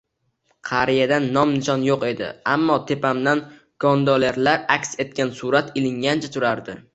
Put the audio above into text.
Qariyadan nom-nishon yo`q edi, ammo tepamda gondolerlar aks etgan surat ilingancha turardi